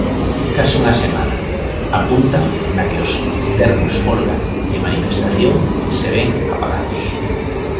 "Case unha semana", apuntan, na que "os termos folga e manifestación" se ven "apagados".